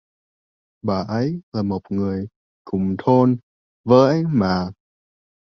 bà ấy là một người cùng thôn với tôi mà